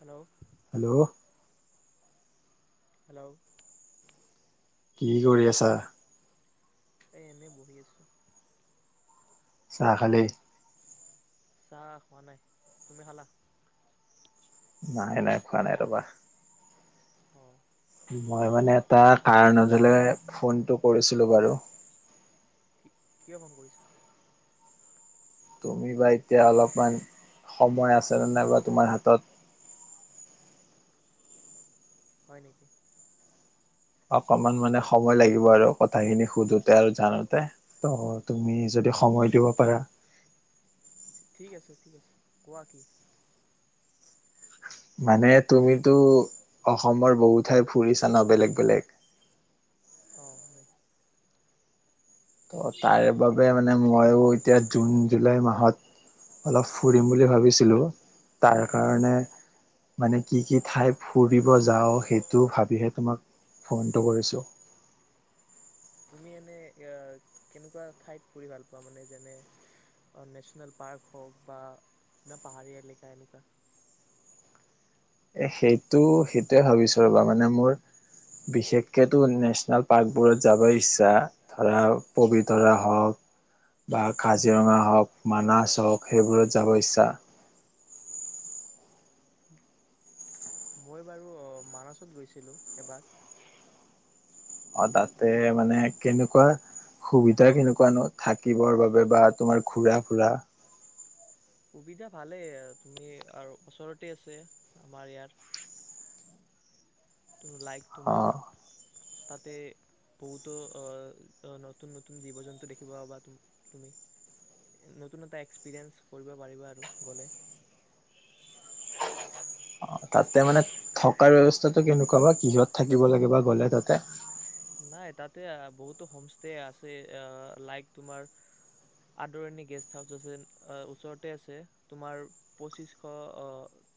Hello. Hello hello কি কৰি আছা? এ এনে বহি আছো চাহ খালি? চাহ খোৱা নাই, তুমি খালা? নাই নাই খোৱা নাই ৰবা অ' মই মানে এটা কাৰণত ফোন কি কিয় ফোন কৰিছা? তুমি বা এতিয়া অলপমান সময় আছেনে নাইবা তোমাৰ হাতত? হয় নেকি? অকমান মানে সময় লাগিব আৰু কথাখিনি সুধোতে আৰু জানোতে ত তুমি যদি সময় দিব পাৰা? ঠিক আছে, ঠিক আছে, কোৱা কি? মানে তুমিতো অসমৰ বহুত ঠাই ফুৰিছা [unintelligible] বেলেগ বেলেগ ত তাইৰ বাবে মানে মইও এতিয়া জুন জুলাই মাহত অলপ ফুৰিম বুলি ভাবিছিলোঁ। তাৰ কাৰণে মানে কি কি ঠাই ফুৰিব যাওঁ সেইটো ভাবিহে তোমাক ফোনটো কৰিছোঁ। তুমি এনে কেনেকুৱা ঠাইত ফুৰি ভাল পাোৱা মানে যেনে নেচনেল পাৰ্ক হওক বা পাহাৰীয়া এলেকা এনেকুৱা। এ সেইটো সেইটোৱে ভাবিছো ৰ'বা মানে মোৰ বিশেষকেতো নেচনেল পাৰ্কবোৰত যাবা ইচ্ছা ধৰা পবিতৰা হওক বা খাজিৰঙা হওক মানাচ হওক সেইবোৰত যাব ইচ্ছা। মই বাৰু মানাচত গৈছিলো এবাৰ। অ তাতে মানে কেনেকুৱা সুবিধা কেনেকুৱানো থাকিবৰ বাবে বা তোমাৰ ঘূৰা ফুৰা। ভালেই তুমি আৰু ওচৰতে আছে আমাৰ ইয়াৰ লাইক তোমাৰ তাতে বহুতো নতুন নতুন জীৱ জন্তু দেখিব পাবা তুমি নতুন এটা এক্সপিৰিয়েঞ্চ কৰিব পাৰিবা আৰু গ'লে। অ তাতে মানে থকাৰ ব্যৱস্থাটো কেনেকুৱা বা কিহত থাকিব লাগে বা গ'লে তাতে। তে বহুতো হোম ষ্টে আছে লাইক তোমাৰ আদৰণি গেষ্ট হাউচ আছে ওচৰতে আছে তোমাৰ পঁচিচ শ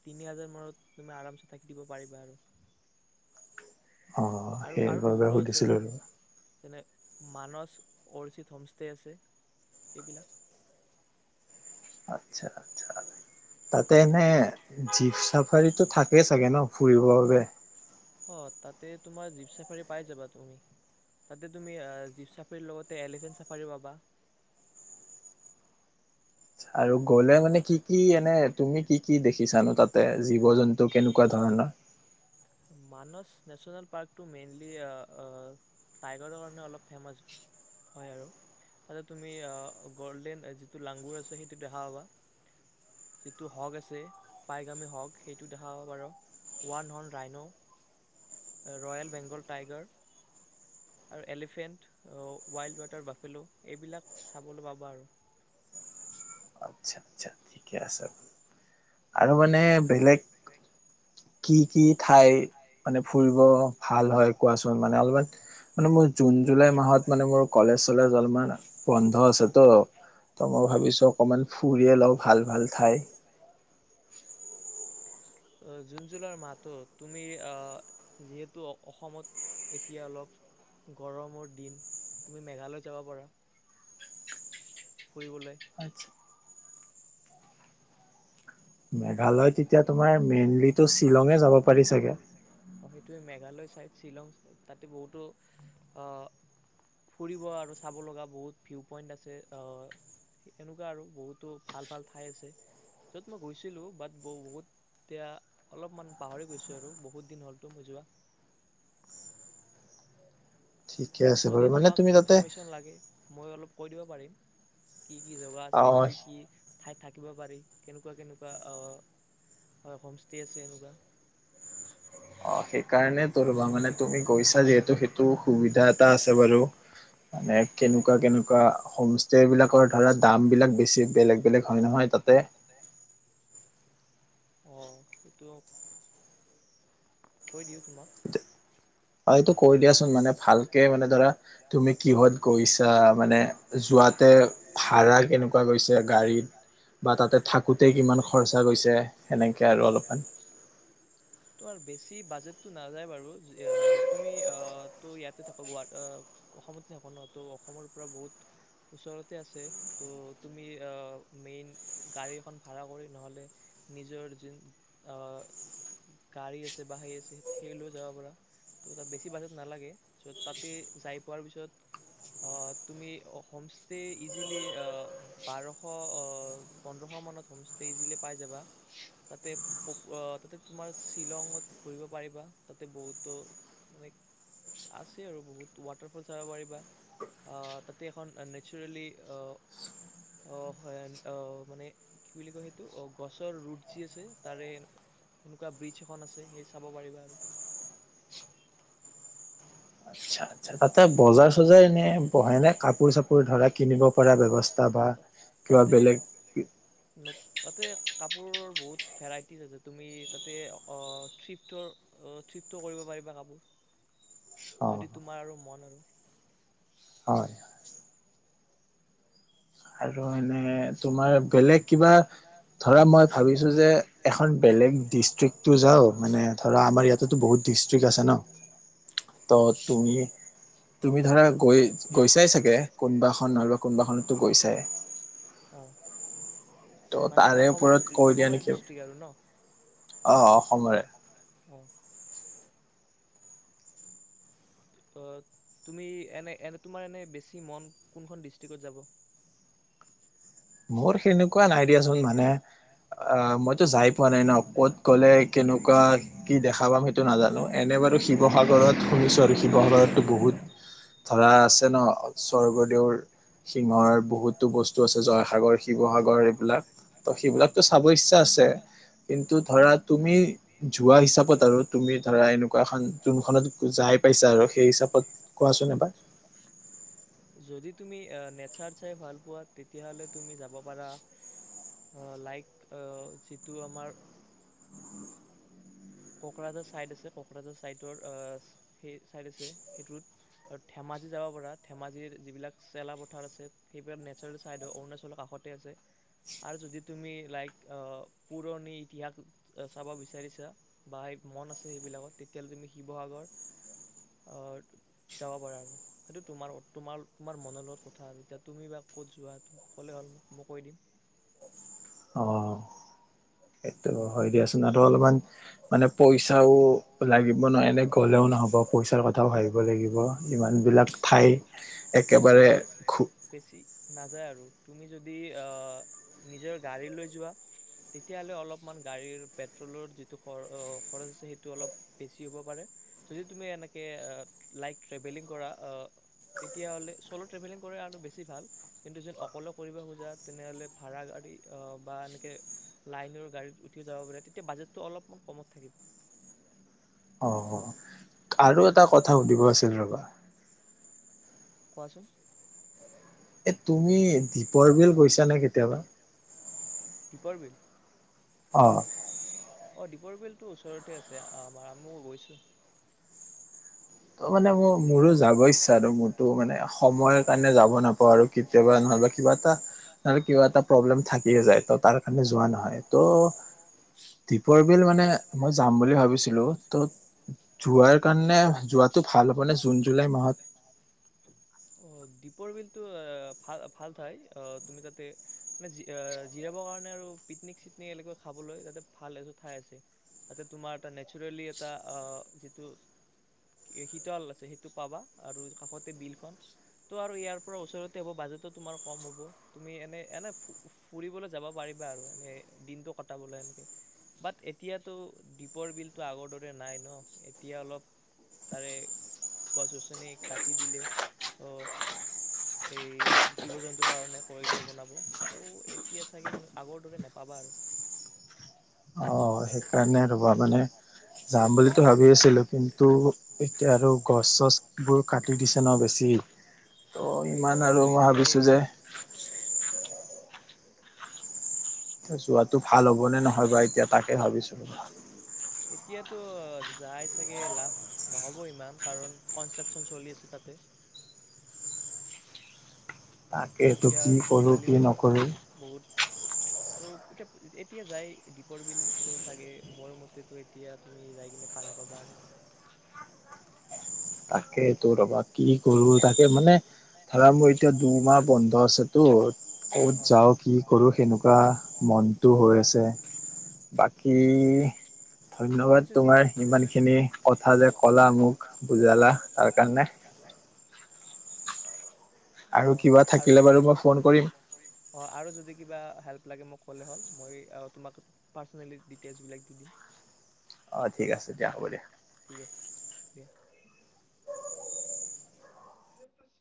তিনি হাজাৰ মানত তুমি আৰামচে থাকি দিব পাৰিবা আৰু। আৰু আৰু বহুতো আছে যেনে মানচ অৰ্চিড হোমষ্টে আছে এইবিলাক আচ্ছা আচ্ছা তাতে এনে জীপ চাফাৰীটো থাকেই চাগে ন ফুৰিবৰ বাবে অ তাতে তোমাৰ জীপ চাফাৰী পাই যাবা তুমি তাতে তুমি জীপ চাফাৰীৰ লগতে এলিফেণ্ট চাফাৰীও পাবা। আৰু গ'লে মানে কি কি এনে তুমি কি কি দেখ [unintelligible] [unintelligible] চানু তাতে জীৱ জন্তু কেনেকুৱা ধৰণৰ নেচনেল পাৰ্কটো মেইনলি টাইগাৰৰ কাৰণে অলপ ফেমাচ হয় আৰু তাতে তুমি গল্ডেন যিটো লাংগুৰ আছে সেইটো দেখা পাবা যিটো হগ আছে। পাইগামী হক সেইটো দেখাব পাৰো one horn rhino, royal Bengal tiger আৰু এলিফেণ্ট ৱাইল্ড ৱাটাৰ বাফেলো এইবিলাক চাবলৈ পাব আৰু আৰু মানে বেলেগ কি কি ঠাই মানে ফুৰিব ভাল হয় কোৱাচোন মানে অলপমান মানে মোৰ জুন জুলাই মাহত মানে মোৰ কলেজ চলেজ অলপমান বন্ধ আছেতো ত মই ভাবিছো অকণমান ফুৰিয়ে লওঁ ভাল ভাল ঠাই অ জুন জুলাৰ মাহটোত তুমি আহ যিহেতু অসমত এতিয়া অলপ গৰমৰ দিন তুমি মেঘালয় যাব পাৰা। ফুৰিবলৈ [unintelligible] মেঘালয় তেতিয়া তোমাৰ মেইনলি তো শ্বিলঙে যাব পাৰি চাগে। মেঘালয় চাইড শ্বিলং চাইদ তাতে বহুতো অ ফুৰিব আৰু চাব লগা বহুত ভিউ পইন্ট আছে এনেকুৱা আৰু বহুতো ভাল ভাল ঠাই আছে য'ত মই গৈছিলো বাত ব বহুত এতিয়া অলপমান পাহৰি গৈছো আৰু বহুত দিন হ'লতো মই যোৱা। ঠিকে আছে বাৰু মানে তুমি তাতে মই অলপ কৈ দিব পাৰিম। কি কি জেগা আছে কি কি ঠাইত থাকিব পাৰি কেনেকুৱা কেনেকুৱা আ হোম ষ্টে আছে এনেকুৱা অশেষ সেইকাৰণে তৰবা মানে তুমি গৈছা যিহেতু সেইটো সুবিধা এটা আছে বাৰু। মানে কেনেকুৱা কেনেকুৱা, হোম ষ্টে বিলাকৰ ধৰা দাম বিলাক বেছি বেলেগ বেলেগ হয় নহয় তাতে! অ' সেইটো- কৈ দিওঁ। তোমাক অ এইটো কৈ দিয়াচোন মানে ভালকে মানে ধৰা তুমি কিহত গৈছা? মানে যোৱাতে ভাড়া কেনেকুৱা গৈছে গাড়ীত? বা তাতে থাকোতে কিমান খৰ্‌ছা গৈছে? এনেকে আৰু অলপমান। সেইটো আৰু বেছি ই বাজেট টো নাযায় বাৰু! যি-আ'- তুমি-আহ'- তো ইয়াতে থাক গুৱা -আ'-অসমতে থাক' ন'? তো অসমৰ পৰা বহুত ওচৰতে আছে! তো- তুমি- আ'- মেইন গাড়ী এখন ভাড়া কৰি নহলে নিজৰ যিন্‌- আ'-গাড়ী আছে বা সেই আছে সেই লৈয়ো যাব পৰা। তো' তাত বেছি বাজেট নালাগে। চ' তাতে যাই পোৱাৰ পিছত আ'- তুমি হোমষ্টে ইজিলি- আ'- বাৰশ অ''- পোন্ধৰশ মানত হোমষ্টে ইজিলি পাই যাবা। তাতে- পোপ্‌ আ''- তাতে তোমাৰ শ্বিলঙত ঘূৰিব পাৰিবা। তাতে বহুতো- মানে আছে আৰু বহুত, ৱাটাৰফল চাব পাৰিবা। আ' তাতে এখন নেছাৰেলী আ'-হয়-আ মানে কি বুলি কয় সেইটো অ', গছৰ ৰুট যি আছে তাৰে সেনেকুৱা ব্ৰীজ এখন আছে। চাব পাৰিবা আৰু। তাতে বজাৰ চজাৰ এনে বহেনে? কাপোৰ চাপোৰ ধৰা কিনিব পৰা ব্যৱস্থা বা কিবা বেলেগ? অ' তাতে নতু তাতে কাপোৰৰ বহুত ভেৰাইটিজ আছে। তুমি তাতে অ', থ্ৰীফটৰ অ', থ্ৰীফটো কৰিব পাৰিবা কাপোৰ, যদি তোমাৰ আৰু মন আৰু। আৰু এনে তোমাৰ বেলেগ কিবা ধৰা মই ভাবিছোঁ যে এখন বেলেগ ডিষ্ট্ৰিক্টো যাওঁ, মানে ধৰা আমাৰ ইয়াতেতো বহুত ডিষ্ট্ৰিক্ আছে ন? তো তুমি, তুমি ধৰা গৈ- গৈছাই চাগে কোনোবা এখন নহলে কোনোবাখনতটো গৈছায়ে। অ'। তো তাৰে ওপৰত কৈ দিয়া নেকি? অ' - অসমৰে। অ', তুমি এনে -এনে তোমাৰ এনে বেছি মন কোনখন ডিষ্ট্ৰিক্টত যাব? মোৰ সেনেকুৱা নাই দিয়াচোন মানে-আ' মইতো যাই পোৱা নাই ন? ক'ত গ'লে কেনেকুৱা কি দেখা পাম সেইটো নাজানোঁ। এনে বাৰু শিৱসাগৰত শুনিছোঁ আৰু শিৱসাগৰতো বহুত, ধৰা আছে ন, স্বৰ্গদেউৰ সিংহৰ বহুতো বস্তু আছে। জয় আগৰ শিৱসাগ বিলাক। তো সেইবিলাকটো চাব ইচ্ছা আছে। কিন্তু ধৰা তুমি যোৱা হিচাপত আৰু, তুমি ধৰা এনেকুৱা এখন যোনখনত যাই পাইছা আৰু সেই হিচাপত কোৱাচোন এবাৰ। তুমি এ নেচাৰ চাই ভাল পোৱা তেতিয়াহ'লে তুমি যাব পাৰা আহ' লাইক আহ যিটো আমাৰ কোকৰাঝাৰ চাইদ আছে। কোকৰাঝাৰ চাইদৰ আ'--সেই চাইদ আছে, সেইটোত। আৰু ধেমাজি যাব পাৰা। ধেমাজিৰ যিবিলাক চেলা পথাৰ আছে, সেইবিলাক নেচাৰেল চাইদ হয়। অৰুণাচলৰ কাষতে আছে আৰু যদি তুমি লাইক আ'- পুৰণি ইতিহাস চাব বিচাৰিছা বা সেই মন আছে সেইবিলাকত তেতিয়াহ'লে তুমি শিৱসাগৰ-আ' যাব পাৰা আৰু, সেইটো তোমাৰ-তোমাৰ-তোমাৰ মনৰ লগত কথা আৰু এতিয়া তুমি বা ক'ত যোৱা ক'লে হল মই কৈ দিম। সেইটো হয় দিয়াচোন। না তো অলপমান মানে পইচাও লাগিব ন, এনে গ'লেও নহ'ব, পইচাৰ কথাও ভাবিব লাগিব। ইমানবিলাক ঠাই একেবাৰে ঘু নাযায় আৰু। তুমি যদি আ' নিজৰ গাড়ী লৈ যোৱা- তেতিয়াাহ'লে অলপমান গাড়ীৰ পেট পেট্ৰলৰ যিটো খৰ অ' খৰছ আছে সেইটো অলপ বেছি হ'ব পাৰে। যদি তুমি এনেকে লাইক ট্ৰেভেলিং কৰা অ' তেতিয়াহ'ল চল' ট্ৰেভেলিং কৰাই আৰু বেছি ভাল কিন্তু যেন অকলে কৰিব খোজা তেনেহ'লে ভাড়া গাড়ী- আ' বা এনেকে লাইনৰ গাড়ীত উঠিও যাব পাৰা। তেত তেতিয়া বাজেটটো অলপমান কমত থাকিব। আৰু এটা কথা সুধিব আছিল ৰ'বা। কোৱাচোন? তুমি দীপৰ বিল গৈছা নে কেতিয়াবা? দীপৰ বিল? অ'। অ', দীপৰ বিলটো ওচৰতে আছে আমাৰ, আমিও গৈছোঁ। তো মানে ম'-মোৰো যাব ইচ্ছা আৰু মোৰতো মানে, সময়ৰ কাৰণে যাব নাপাওঁ আৰু কেতিয়াবা নহবা কিবা এটা নহ'লে কিবা এটা প্ৰব্লেম থাকিয়ে যায়। তো তাৰ কাৰণে যোৱা নহয়। তো দীপৰ বিল মানে, মই যাম বুলি ভাবিছিলোঁ। তো যোৱাৰ কাৰণে যোৱা ভাল হ'বনে জুন জুলাই মাহত? অ', দীপৰ বিলটো এই ভাল ভাল ঠাই। অ', তুমি তাতে মানে আ, জিৰাব কাৰণে আৰু পিকনিক চিকনিক এনেকে খাবলৈ তাতে ভাল এযোৰ ঠাই আছে, তাতে তোমাৰ এটা নেচাৰেলি এটা আ, যিটো শীতল আছে সেইটো পাবা আৰু কাষতে বিল খন, আৰু ত' ইয়াৰ পৰা ওচৰতে হ'ব বাজেটো তোমাৰ কম হ'ব, তুমি এনে এনে ফুৰিবলৈ যাব পাৰিবা আৰু এনে দিনতটো কটাবলৈ এনেকে বাট এতিয়াতো দীপৰ বিলটো আগৰ দৰে নাই ন এতিয়া অলপ তাৰে গছ গছনি কাটি দিলে, অ', এই জীৱ জন্তুৰ কাৰণে কৰিদৰ বনাব ত' এতিয়া চাগে সেই আগৰ দৰে নাপাবা আৰু। কাৰণে ৰ'বা মানে যাম বুলিটো ভাবি আছিলোঁ, কিন্তু এতিয়া আৰু গছ চছবোৰ কাটি দিছে ন বেছি, ত' ইমান আৰু মই ভাবিছোঁ যে [unintelligible] তো ভাল হ'বনে নহয়? বা এতিয়া তাকে ভাবিছোঁ। এতিয়াতো যাই চাগে লাভ নহ'ব ইমান, কাৰণ কনষ্ট্ৰাকচন চলি আছে তাতে। তাকেটো কি কৰোঁ কি নকৰোঁ। আৰু এতিয়া এতিয়া যায় দীপৰ বিলতো চাগে মোৰ মতেতো এতিয়া তুমি যায় কিনে ভাল নাপাবা আৰু তাকে। ত ৰ'বা কি কৰো তাকে মানে ধৰা মোৰ এতিয়া দুমাহ বন্ধ আছেতো ক'ত যাওঁ কি কৰো সেনেকুৱা মনটো হৈ আছে বাকী ধন্যবাদ তোমাৰ ইমান খিনি কথা যে, ক'লা মোক। বুজালা তাৰ কাৰণে আৰু কিবা থাকিলে বাৰু মই ফোন কৰিম। কিবা হেল্প লাগে মই ক'লে হ'ল মই তোমাক পাৰ্চনেলি ডিটেইলচ বিলাক দি দিম। অ', ঠিক আছে দিয়া হ'ব দিয়া। ঠিক আছে দিয়া। [unintelligible]